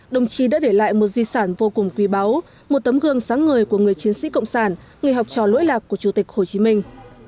đồng chí đã để lại một di sản vô cùng quý báu một tấm gương sáng ngời của người chiến sĩ cộng sản người học trò lỗi lạc của chủ tịch hồ chí minh